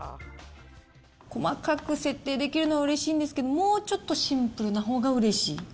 細かく設定できるのはうれしいんですけれども、もうちょっとシンプルなほうがうれしい。